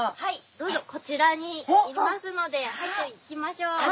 どうぞこちらにいますのではいじゃあ行きましょう！